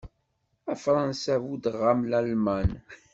A Fransa buddeɣ-am Lalman.